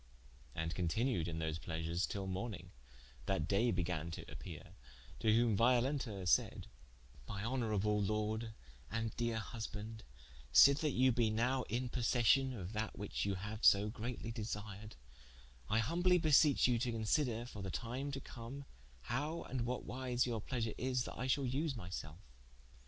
And continued in those pleasures till morning, that daye began to appeare, to whome Violenta saide: "My honourable Lorde and dere husbande, sithe that you be nowe in possession of that which you haue so greatly desired, I humbly beseeche you, to consider for the time to come, howe and what wyse your pleasure is that I shall vse my selfe.